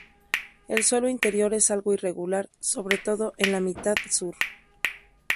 El suelo interior es algo irregular, sobre todo en la mitad sur.